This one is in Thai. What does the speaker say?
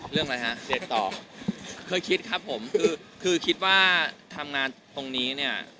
เคยคิดครับผมคือคิดว่าทำงานตรงนี้เนี่ยอยากจะเข้าไปศึกษา